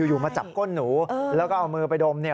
อยู่มาจับก้นหนูและก็เอามือไปดม